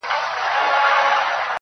د وادۀ په ورځ ودېږي، سر خېرنې